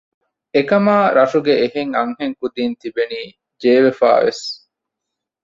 އެކަމާ ރަށުގެ އެހެން އަންހެން ކުދީން ތިބެނީ ޖޭވެފައިވެސް